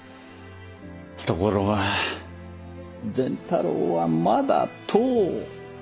ところが善太郎はまだ１０。